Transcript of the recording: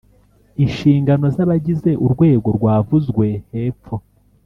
Inshingano z’ Abagize urwego rwavuzwe hepfo